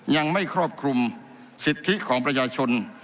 ยังไม่ครอบคลุมสิทธิของประชาชน